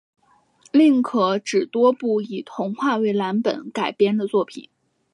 另可指多部以童话为蓝本改编的作品